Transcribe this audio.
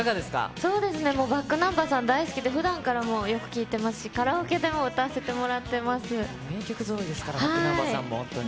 ｂａｃｋｎｕｍｂｅｒさん大好きでふだんからもう、よく聴いてますし、カラオケでも歌わせ名曲ぞろいですからね、ｂａｃｋｎｕｍｂｅｒさんも、本当に。